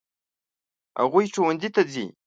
هغوی ښوونځي ته ځي.